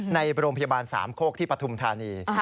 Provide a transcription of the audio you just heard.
ในโรงพยาบาลสามโคกที่ปฐุมธานี